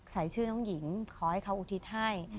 ใส่ชื่อน้องหญิงขอให้เขาอุทิศให้